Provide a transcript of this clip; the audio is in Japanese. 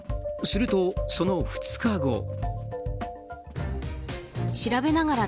すると、その２日後。